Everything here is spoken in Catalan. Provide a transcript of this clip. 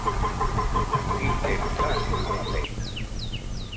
Quin temps fas, a la feina?